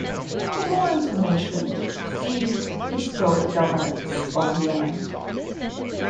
For more information, see Historic Governorates of Yemen.